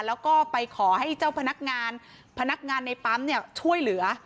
แล้วก็ไปขอให้เจ้าพนักงานพนักงานในปั๊มเนี่ยช่วยเหลือ